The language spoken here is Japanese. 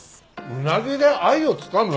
うなぎで愛をつかむ？